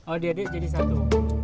oh diaduk jadi satu